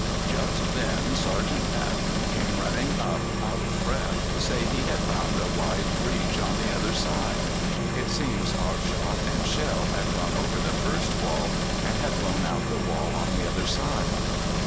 Just then Sergeant Paton came running up out of breath to say he had found a wide breach on the other side. It seems our shot and shell had gone over the first wall and had blown out the wall on the other side.